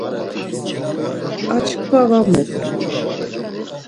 Ar çkva var moxtu.